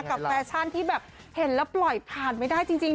แฟชั่นที่แบบเห็นแล้วปล่อยผ่านไม่ได้จริง